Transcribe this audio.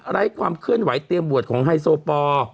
ไร้ความเคลื่อนไหเตรียมบวชของไฮโซปอร์